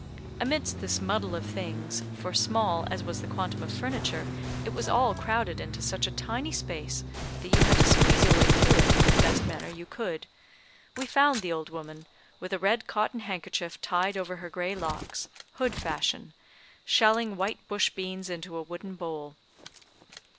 Amidst this muddle of things for small as was the quantum of furniture, it was all crowded into such a tiny space that you had to squeeze your way through it in the best manner you could we found the old woman, with a red cotton handkerchief tied over her grey locks, hood fashion, shelling white bush beans into a wooden bowl.